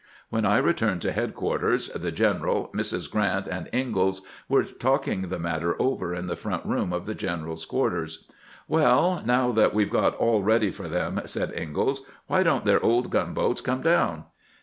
When I returned to headquarters, the general, Mrs. Grrant, and Ingalls were talking the matter over in the front room of the general's quarters. " WeU, now that we 've got aU ready for them," said Ingalls, " why don't their old gunboats come down